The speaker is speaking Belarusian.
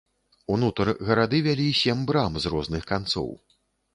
Унутр гарады вялі сем брам з розных канцоў.